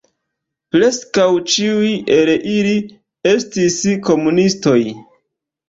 Preskaŭ ĉiuj el ili estis komunistoj.